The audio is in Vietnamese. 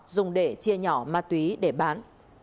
dùng để chia nhỏ ma túy để bán